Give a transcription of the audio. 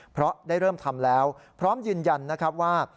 เพราะได้เริ่มทำแล้วพร้อมยืนยันนะครับว่า